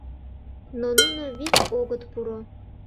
Но нуно вик огыт пуро.